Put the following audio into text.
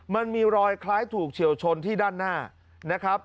มันมีรอยคล้ายถูกเฉียวชนที่ด้านหน้านะครับ